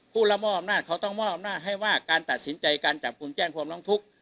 ผู้ละมอบนาดเขาต้องมอบนาดให้ว่าการตัดสินใจการจับคุณแจ้งความล้องทุกข์